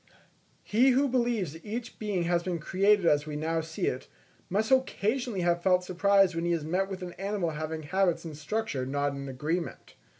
He who believes that each being has been created as we now see it, must occasionally have felt surprise when he has met with an animal having habits and structure not in agreement.